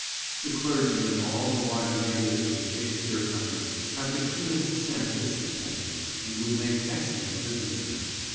The clergy in all the wide radius of the Shakespeare Country have the keenest scent for sixpences, and would make excellent business men.